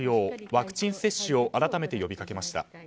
ワクチン接種を改めて呼びかけました。